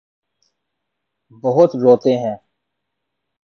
بہت روتے ہیں۔